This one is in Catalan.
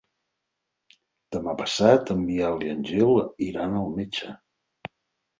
Demà passat en Biel i en Gil iran al metge.